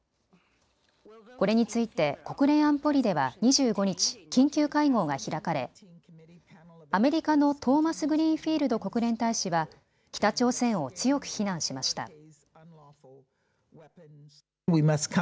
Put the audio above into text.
これについて国連安保理では２５日、緊急会合が開かれ、アメリカのトーマスグリーンフィールド国連大使は北朝鮮を強く非難しました。